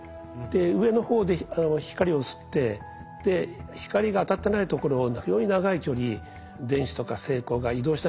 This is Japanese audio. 上の方で光を吸って光が当たってないところを非常に長い距離電子とか正孔が移動しなきゃいけないんですね。